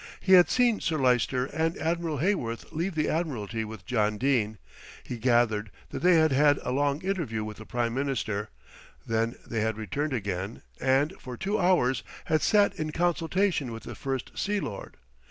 He had seen Sir Lyster and Admiral Heyworth leave the Admiralty with John Dene, he gathered that they had had a long interview with the Prime Minister, then they had returned again and, for two hours, had sat in consultation with the First Sea Lord.